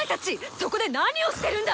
そこで何をしてるんだ